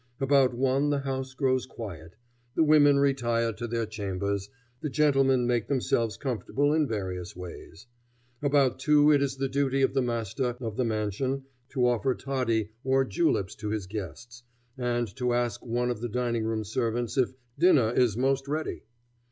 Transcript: About one the house grows quiet. The women retire to their chambers, the gentlemen make themselves comfortable in various ways. About two it is the duty of the master of the mansion to offer toddy or juleps to his guests, and to ask one of the dining room servants if "dinner is 'most ready."